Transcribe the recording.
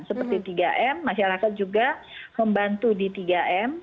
seperti tiga m masyarakat juga membantu di tiga m